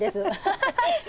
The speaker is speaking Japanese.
ハハハハ。